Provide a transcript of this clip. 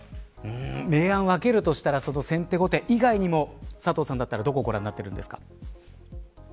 明暗を分けるとしたら先手後手以外にも佐藤さんだったらどこをご覧になっているんですか。